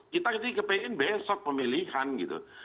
kita jadi kepengen besok pemilihan gitu